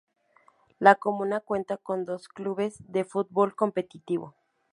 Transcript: La comuna cuenta con dos clubes de fútbol competitivo.